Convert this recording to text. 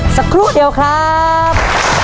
สักครู่เดียวครับ